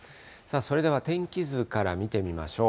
それでは天気図から見てみましょう。